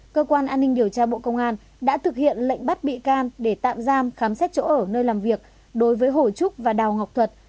cơ quan an ninh điều tra bộ công an đã thực hiện lệnh bắt bị can để tạm giam khám xét chỗ ở nơi làm việc đối với hồ trúc và đào ngọc thuật